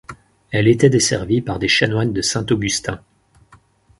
Elle était desservie par des chanoines de Saint-Augustin.